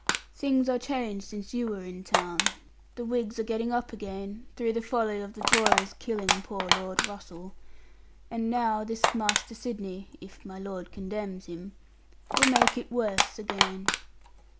'Things are changed since you were in town. The Whigs are getting up again, through the folly of the Tories killing poor Lord Russell; and now this Master Sidney (if my Lord condemns him) will make it worse again.